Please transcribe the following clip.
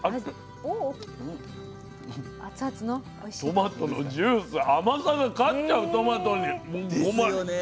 トマトのジュース甘さが勝っちゃうトマトに。ですよね。